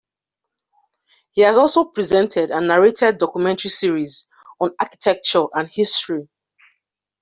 He has also presented and narrated documentary series on architecture and history.